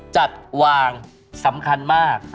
จัดวางสำคัญมาก